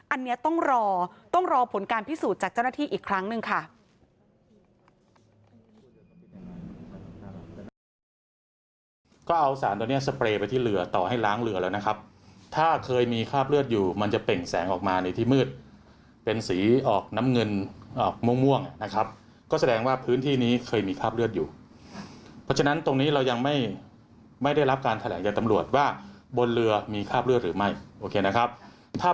อันนี้ต้องรอต้องรอผลการพิสูจน์จากเจ้าหน้าที่อีกครั้งหนึ่งค่ะ